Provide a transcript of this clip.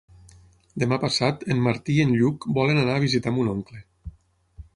Demà passat en Martí i en Lluc volen anar a visitar mon oncle.